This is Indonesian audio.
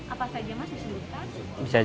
apa saja mas bisa lakukan